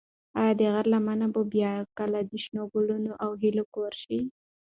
ایا د غره لمنه به بیا کله د شنو ګلانو او هیلو کور شي؟